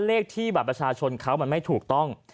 เลขที่บัตรประชาชนเขามันไม่ถูกต้อง